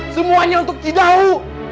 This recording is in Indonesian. semuanya untuk cidau